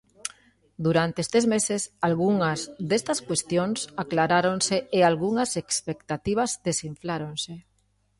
Durante estes meses, algunhas destas cuestións aclaráronse e algunhas expectativas desinfláronse.